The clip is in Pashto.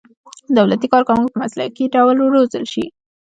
دولتي کارکوونکي په مسلکي ډول وروزل شي.